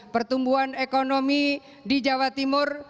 pertumbuhan ekonomi di jawa timur